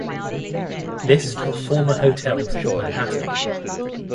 List of former hotels in Manhattan